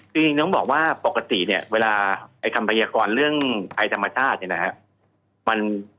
คือต้องบอกว่าปกติเนี่ยเวลาไอ้คำพยากรเรื่องภัยธรรมชาติเนี่ยนะฮะ